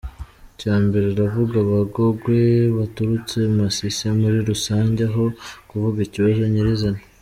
Icyambere uravuga Abagogwe baturutse Masisi muri rusange aho kuvuga ikibazo nyirizina.